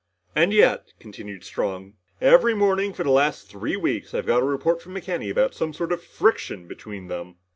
" And yet," continued Strong, "every morning for the last three weeks I've got a report from McKenny about some sort of friction between them!"